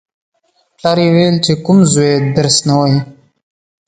پلار یې ویل: چې کوم زوی درس نه وايي.